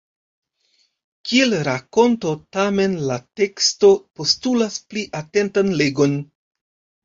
Kiel rakonto, tamen, la teksto postulas pli atentan legon.